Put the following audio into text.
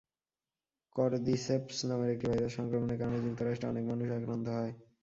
Cordyceps নামের একটি virus সংক্রমণের কারণে যুক্তরাষ্ট্রের অনেক মানুষ আক্রান্ত হয়।